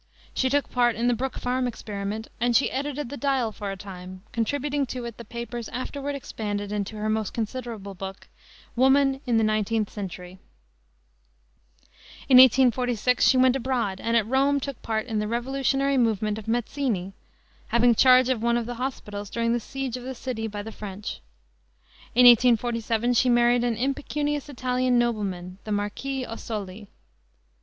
She took part in the Brook Farm experiment, and she edited the Dial for a time, contributing to it the papers afterward expanded into her most considerable book, Woman in the Nineteenth Century. In 1846 she went abroad, and at Rome took part in the revolutionary movement of Mazzini, having charge of one of the hospitals during the siege of the city by the French. In 1847 she married an impecunious Italian nobleman, the Marquis Ossoli.